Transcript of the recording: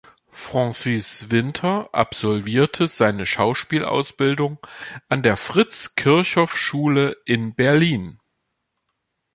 Francis Winter absolvierte seine Schauspielausbildung an der Fritz-Kirchhoff-Schule in Berlin.